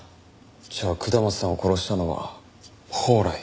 じゃあ下松さんを殺したのは宝来。